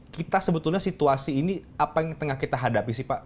kita sebetulnya situasi ini apa yang tengah kita hadapi sih pak